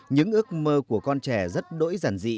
những ước mơ của con trẻ rất đỗi giản dị